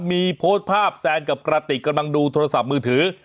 มีโพสต์ภาพแซนกับกระติกกำลังดูโทรศัพท์มือถือ